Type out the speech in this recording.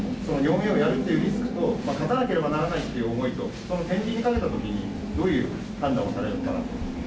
４Ａをやるっていうリスクと、勝たなければならないという思いと、そのてんびんにかけたときに、どういう判断をされるのかなと。